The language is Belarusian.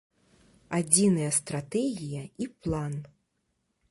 Адзіная стратэгія і план.